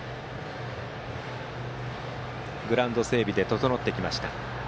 グラウンド整備整ってきました。